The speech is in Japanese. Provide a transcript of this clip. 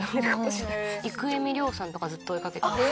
いくえみ綾さんとかずっと追いかけてます。